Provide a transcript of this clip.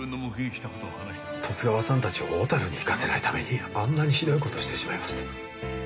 十津川さんたちを小樽に行かせないためにあんなにひどい事をしてしまいました。